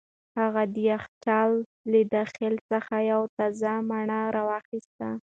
هغه د یخچال له داخل څخه یوه تازه مڼه را واخیسته.